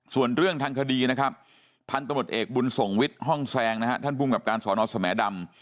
ส่วนเรื่องทางคดีนะครับพันธมตเอกบุญส่งวิทย์ห้องแซงนะฮะท่านภูมิกับการสอนอสแหมดำ